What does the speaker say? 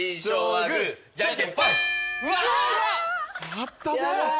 やったぜ。